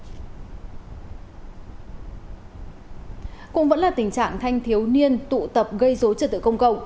cảnh sát hình sự truy bắt là tình trạng thanh thiếu niên tụ tập gây dối trật tự công cộng